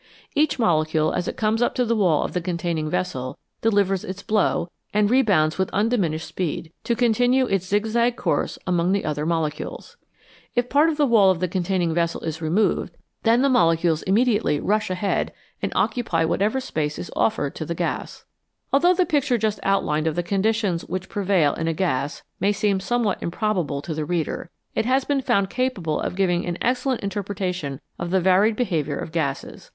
Each molecule, as it comes up to the wall of the containing vessel, delivers its blow, and rebounds with undiminished speed, to continue its zig zag course among the other molecules. If part of the wall of the containing vessel is removed, then the molecules immedi ately rush ahead and occupy whatever space is offered to the gas. Although the picture just outlined of the conditions which prevail in a gas may seem somewhat improbable to the reader, it has been found capable of giving an excel lent interpretation of the varied behaviour of gases.